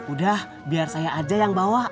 udah biar saya aja yang bawah